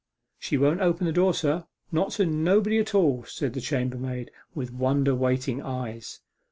'She won't open the door, sir, not to nobody at all!' said the chambermaid, with wonder waiting eyes.